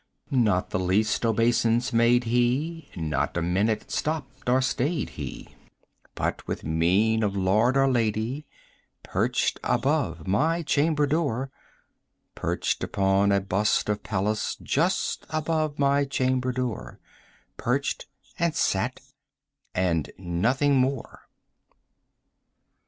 Not the least obeisance made he; not a minute stopped or stayed he; But, with mien of lord or lady, perched above my chamber door, 40 Perched upon a bust of Pallas just above my chamber door: Perched, and sat, and nothing more.